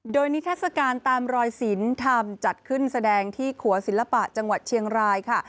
โดยนิทัศกาลตามรอยศิลป์ธรรมจัดขึ้นแสดงที่ขัวศิลปะจังหวัดเชียงรายค่ะ